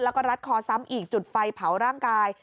แล้วก็รัดคอซ้ำอีกจุดไฟเผาร่างกาย